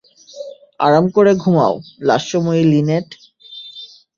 আরাম করে ঘুমাও, লাস্যময়ী লিনেট!